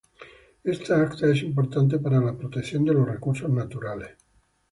Esta acta es importante para la protección de los recursos naturales.